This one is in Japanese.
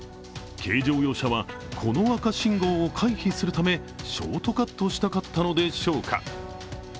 軽乗用車はこの赤信号を回避するためショートカットしたかったのでしょうか。